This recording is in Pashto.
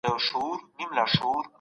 ژوند څراغ دی